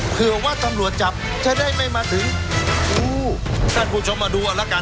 เผื่อว่าตำรวจจับจะได้ไม่มาถึงอู้ท่านผู้ชมมาดูเอาละกัน